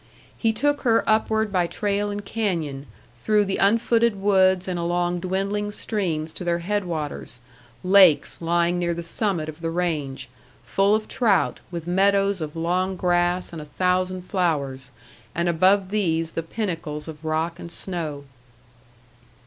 He took her upward by trail and canyon, through the unfooted woods and along dwindling streams to their headwaters, lakes lying near the summit of the range, full of trout, with meadows of long grass and a thousand flowers, and above these the pinnacles of rock and snow.